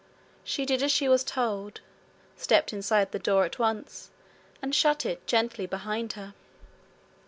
She did as she was told, stepped inside the door at once, and shut it gently behind her.